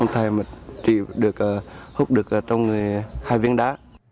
thầy trị được hút được trong hai viên đá